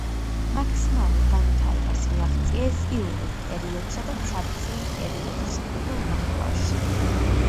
მაქსიმალურ განვითარებას მიაღწიეს იურულ პერიოდსა და ცარცული პერიოდის პირველ ნახევარში.